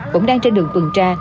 cũng đang trên đường tuần tra